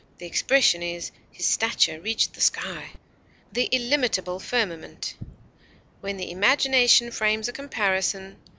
The expression is, 'His stature reached the sky!' the illimitable firmament! When the imagination frames a comparison